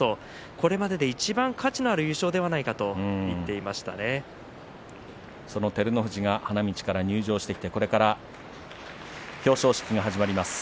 これまででいちばん価値のある優勝じゃないかとその照ノ富士が花道から入場してきて、これから表彰式が始まります。